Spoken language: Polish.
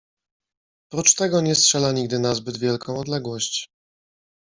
Prócz tego nie strzela nigdy na zbyt wielką odległość.